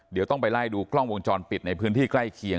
เดี๋ยวต้องไปไล่ดูกล้องวงจรปิดในพื้นที่ใกล้เคียง